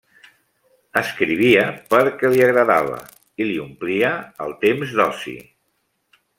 Escrivia perquè li agradava i li omplia el temps d'oci.